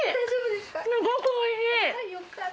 すごく美味しい。